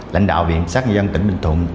lãnh đạo viện sát nhân dân tỉnh bình thuận